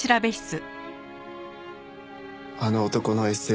あの男のＳＮＳ